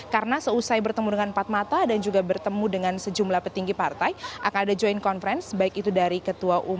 karena seusai bertemu dengan empat mata dan juga bertemu dengan sejumlah petinggi partai akan ada joint conference